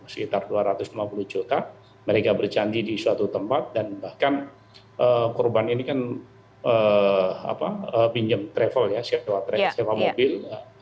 sekitar dua ratus lima puluh juta mereka berjanji di suatu tempat dan bahkan korban ini kan pinjam travel ya sewa sewa mobil